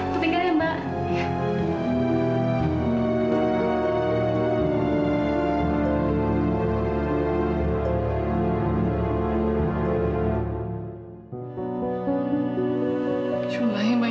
kita tinggal ya mbak